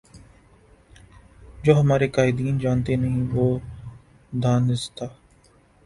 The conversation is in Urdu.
جو ہمارے قائدین جانتے نہیں یا وہ دانستہ